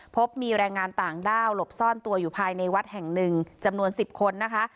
พบมีแรงงานต่างด้าวหลบซ่อนตัวอยู่ภายในวัดแห่งหนึ่งจำนวน๑๐คนนะคะ